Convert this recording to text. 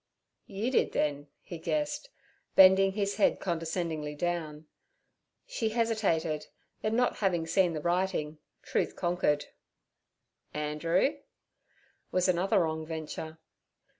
'You did then' he guessed, bending his head condescendingly down. She hesitated; then, not having seen the writing, truth conquered. 'Andrew?' was another wrong venture.